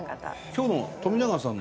今日の。